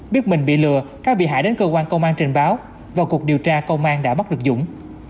biết mình bị lừa các bị hại đến cơ quan công an trình báo và cuộc điều tra công an đã bắt được dũng